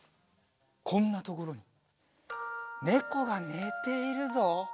こんなところにねこがねているぞ。